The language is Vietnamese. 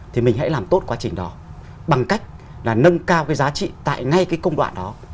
thì mình hãy làm tốt quá trình đó bằng cách là nâng cao cái giá trị tại ngay cái công đoạn đó